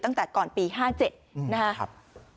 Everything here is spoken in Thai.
ตั้งแต่ก่อนปี๕๗นะครับ